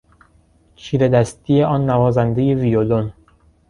چیرهدستی آن نوازندهی ویولن